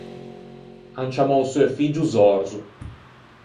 An ciammou seu figgio Zòrzo.